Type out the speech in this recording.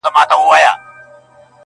باک مي نسته بیا که زه هم غرغړه سم ،